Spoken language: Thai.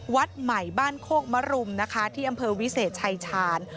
วัดใหม่บ้านโคกมรุมนะคะที่อำเภอวิเศษชายชาญ